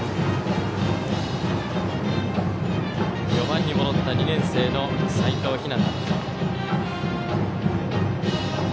４番に戻った２年生の齋藤陽。